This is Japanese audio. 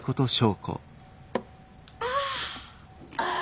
ああ。